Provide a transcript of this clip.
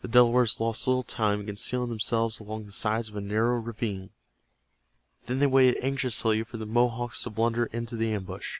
The Delawares lost little time in concealing themselves along the sides of a narrow ravine. Then they waited anxiously for the Mohawks to blunder into the ambush.